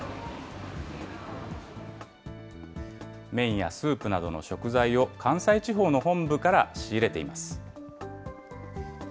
麺やスープなどの食材を関西地方の本部から仕入れています。